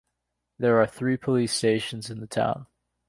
There are three police stations in the town.